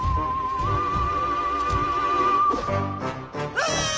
うわ！